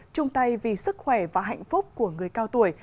chung tay vì sức khỏe và hạnh phúc của người cao tuổi